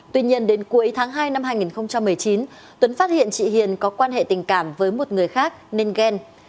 tuy nhiên đến cuối tháng hai năm hai nghìn một mươi chín tuấn phát hiện chị hiền có quan hệ tình cảm với một người khác nên ghen